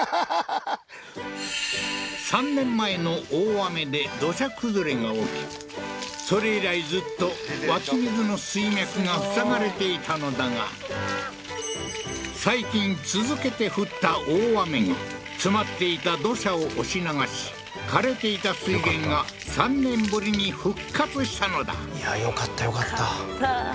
３年前の大雨で土砂崩れが起きそれ以来ずっと湧き水の水脈が塞がれていたのだが最近続けて降った大雨が詰まっていた土砂を押し流し枯れていた水源が３年ぶりに復活したのだいやよかったよかったよかった